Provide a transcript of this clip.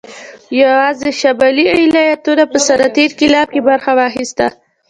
یوازې شمالي ایالتونو په صنعتي انقلاب کې برخه واخیسته